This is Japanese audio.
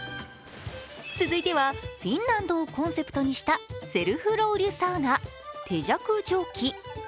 続いてはフィンランドをコンセプトにしたセルフロウリュサウナ手酌蒸気。